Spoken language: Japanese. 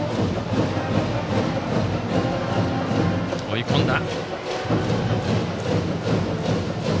追い込んだ。